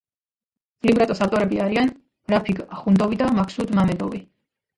ლიბრეტოს ავტორები არიან რაფიგ ახუნდოვი და მაქსუდ მამედოვი.